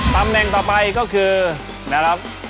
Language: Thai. ตำแหน่งต่อไปก็คือนะครับ